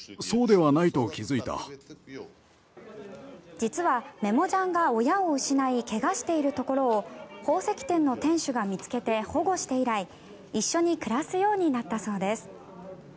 実はメモジャンが親を失い怪我しているところを宝石店の店主が見つけて保護して以来一緒に暮らすようになったそうです。